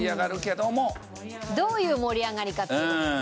どういう盛り上がり方かっていう事ですね。